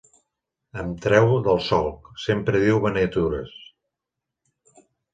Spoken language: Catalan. Em treu del solc, sempre diu beneitures.